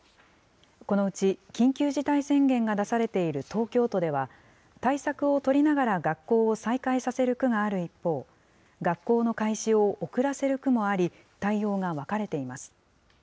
このうち緊急事態宣言が出されている東京都では、対策を取りながら学校を再開させる区がある一方、学校の開始を遅らせる区もあり、対応が分かれています。